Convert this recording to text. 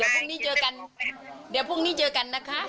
เดี๋ยวพรุ่งนี้เจอกันนะคะ